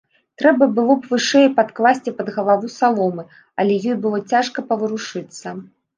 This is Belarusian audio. Трэба было б вышэй падкласці пад галаву саломы, але ёй было цяжка паварушыцца.